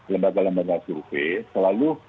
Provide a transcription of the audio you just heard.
lembaga lembaga survei selalu